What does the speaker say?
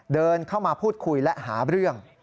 เดินเข้ามาพูดคุยและหาเรื่อง